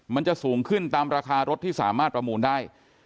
มันจะสูงขึ้นตามราคารถที่สามารถประมูลได้